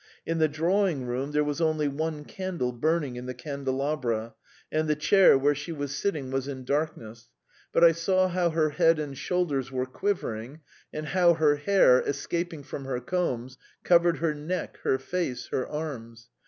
In the drawing room there was only one candle burning in the candelabra, and the chair where she was sitting was in darkness; but I saw how her head and shoulders were quivering, and how her hair, escaping from her combs, covered her neck, her face, her arms.